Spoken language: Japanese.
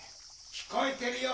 ・聞こえてるよ！